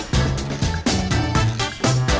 kita bikinnya banyak juga